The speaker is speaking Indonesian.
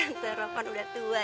tante ro kan udah tua ya